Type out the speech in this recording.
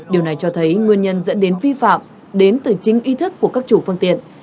điều này cho thấy nguyên nhân dẫn đến vi phạm đến từ chính ý thức của các chủ phương tiện